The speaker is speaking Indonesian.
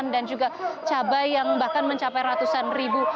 dan juga cabai yang bahkan mencapai ratusan ribu